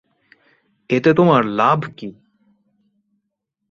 এতে তোমার লাভ কী?